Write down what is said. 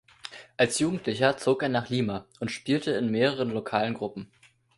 Als Jugendlicher zog er nach Lima und spielte in mehreren lokalen Gruppen.